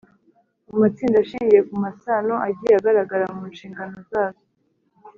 mu matsinda ashingiye ku masano agiye agaragara mu nshingano zazo.